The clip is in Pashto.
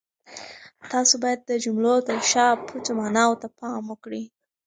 تاسو باید د جملو تر شا پټو ماناوو ته پام وکړئ.